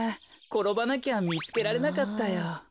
ころばなきゃみつけられなかったよ。